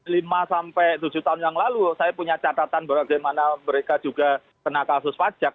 lima sampai tujuh tahun yang lalu saya punya catatan bagaimana mereka juga kena kasus pajak